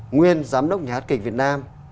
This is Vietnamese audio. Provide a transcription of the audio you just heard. nguyên giám đốc nhà hát kịch việt nam